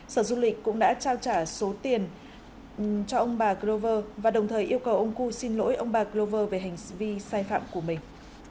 sở du lịch cũng đã trao trả số tiền cho ông bà grover và đồng thời yêu cầu ông cu xin lỗi ông bà glover về hành vi sai phạm của mình